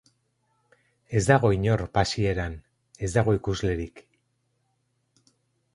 Ez dago inor pasieran, ez dago ikuslerik.